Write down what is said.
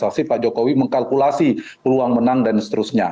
jadi pak jokowi mengkalkulasi peluang menang dan seterusnya